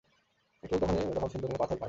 কেবল তখনই, যখন সুন্দর কোনো পাথর পাই।